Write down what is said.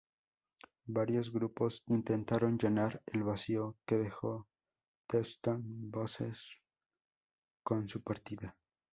Varios grupos intentaron llenar el vacío que dejo The Stone Roses con su partida.